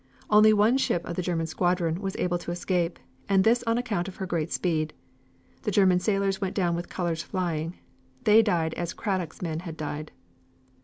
Only one ship of the German squadron was able to escape, and this on account of her great speed. The German sailors went down with colors flying. They died as Cradock's men had died.